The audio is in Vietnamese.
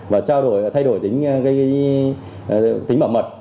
và thay đổi tính bảo mật